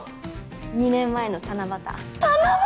２年前の七夕七夕？